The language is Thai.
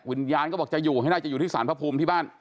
วิญญาณก็บอกจะอยู่ให้ได้จะอยู่ที่สารพระภูมิที่บ้าน